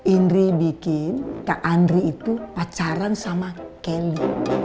indri bikin kak andri itu pacaran sama kelly